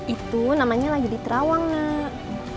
itu namanya lagi di terawang nak